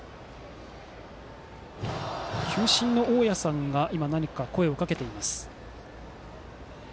球審の大屋さんが声をかけています。